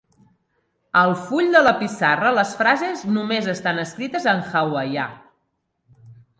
Al full de la pissarra les frases només estan escrites en hawaiià.